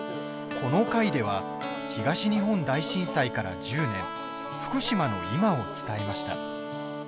この回では東日本大震災から１０年福島の今を伝えました。